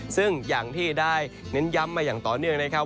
ซึ่งอย่างที่ได้เน้นย้ำมาอย่างต่อเนื่องนะครับ